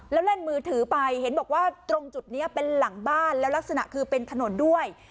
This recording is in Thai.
แล้วเล่นมือถือไปเห็นบอกว่าตรงจุดนี้เป็นหลังบ้านแล้วลักษณะคือเป็นถนนด้วย